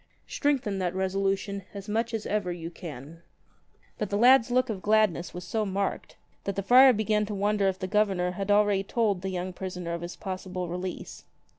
Strengthen that resolution as much as ever you can." But the lad's look of gladness was so marked that the friar began to wonder if the Governor had already told the young prisoner of his possible release.